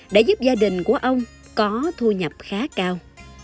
đã giúp gia đình của ông có thu nhập khá cao